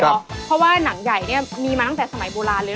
เพราะว่าหนังใหญ่เนี่ยมีมาตั้งแต่สมัยโบราณเลย